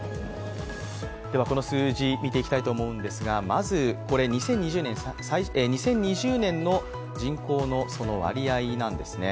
この数字見ていきたいと思うんですがまず、２０２０年の人口の割合なんですね。